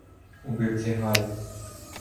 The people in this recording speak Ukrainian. убивці Галі.